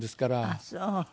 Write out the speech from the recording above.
ああそう。